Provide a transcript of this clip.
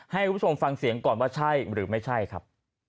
ให้คุณผู้ชมฟังเสียงก่อนว่าใช่หรือไม่ใช่ครับ